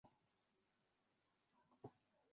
কেননা, যদিও সন্তানটি তার হাতছাড়া হয়ে যায়।